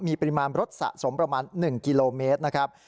มีปริมาณรถสะสมประมาณ๑กิโลเมตรนะครับ